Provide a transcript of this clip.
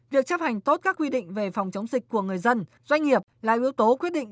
việc chấp hành tốt các quy định về phòng chống dịch của người dân doanh nghiệp là yếu tố quyết định